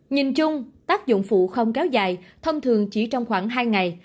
nhìn chung tác dụng phụ không kéo dài thông thường chỉ trong khoảng hai ngày